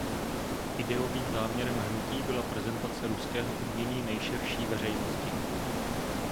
Ideovým záměrem hnutí byla prezentace ruského umění nejširší veřejnosti.